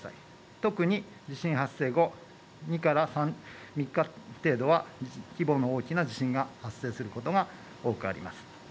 特に地震発生後、２日から３日程度は、規模の大きな地震が発生することが多くあります。